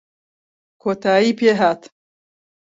کۆتایی پێ هات